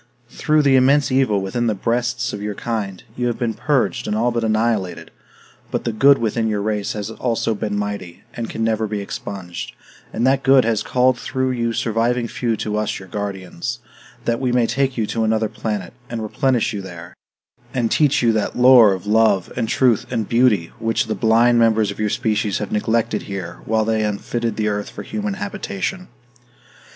Through the immense evil within the breasts of your kind, you have been purged and all but annihilated; but the good within your race has also been mighty, and can never be expunged; and that good has called through you surviving few to us your guardians, that we may take you to another planet, and replenish you there, and teach you that lore of love and truth and beauty which the blind members of your species have neglected here while they unfitted the earth for human habitation."